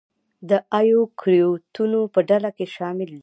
د ایوکریوتونو په ډله کې شامل دي.